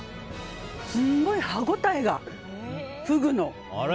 すごい、歯応えが、フグの。